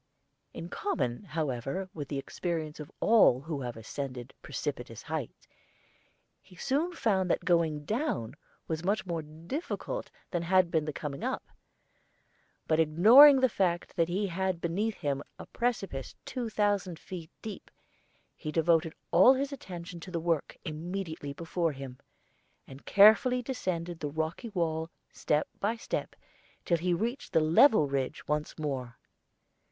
In common, however, with the experience of all who have ascended precipitous heights, he soon found that going down was much more difficult than had been the coming up; but ignoring the fact that he had beneath him a precipice two thousand feet deep, he devoted all his attention to the work immediately before him, and carefully descended the rocky wall step by step, till he reached the level ridge once more.